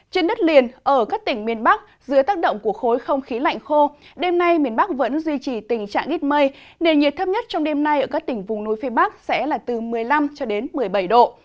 trên đất liền ở các tỉnh miền bắc dưới tác động của khối không khí lạnh khô đêm nay miền bắc vẫn duy trì tình trạng ít mây nền nhiệt thấp nhất trong đêm nay ở các tỉnh vùng núi phía bắc sẽ là từ một mươi năm một mươi bảy độ